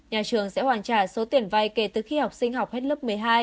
nhà trường sẽ hoàn trả số tiền vay kể từ khi học sinh học hết lớp một mươi hai